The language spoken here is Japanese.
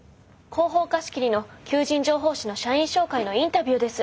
広報課仕切りの求人情報誌の社員紹介のインタビューです。